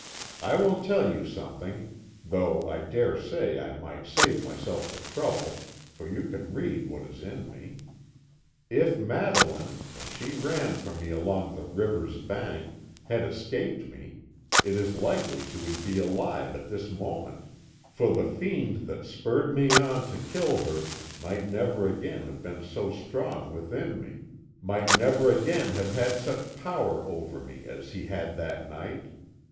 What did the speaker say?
I will tell you something, though I dare say I might save myself the trouble, for you can read what is in me. If Madeline, when she ran from me along the river's bank, had escaped me, it is likely she would be alive at this moment, for the fiend that spurred me on to kill her might never again have been so strong within me, might never again have had such power over me as he had that night.